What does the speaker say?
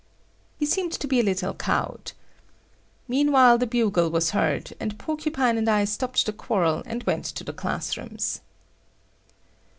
He seemed to be a little cowed. Meanwhile the bugle was heard, and Porcupine and I stopped the quarrel and went to the class rooms.